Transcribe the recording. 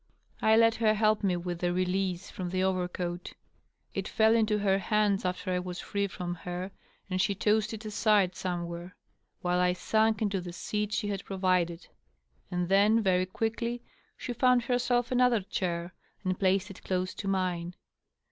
I let her help me with the release from the overcoat. It fell into her hands after I was free from it, and she tossed it aside somewhere, while I sank into the seat she had provided. And then, very quickly, she found herself another chair, and placed it close to mine.